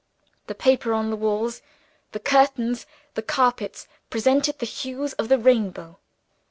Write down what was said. The paper on the walls, the curtains, the carpet presented the hues of the rainbow.